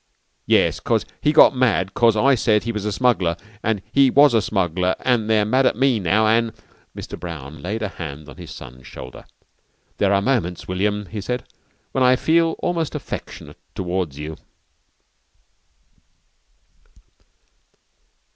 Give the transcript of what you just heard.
"Yes, 'cause he got mad 'cause I said he was a smuggler an' he was a smuggler an' they're mad at me now, an' " Mr. Brown laid a hand on his son's shoulder. "There are moments, William," he said, "when I feel almost affectionate towards you."